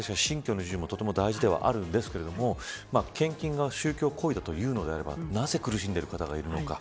もちろん、信教の自由も大切ですが、献金が宗教行為だというのであればなぜ苦しんでいる方がいるのか。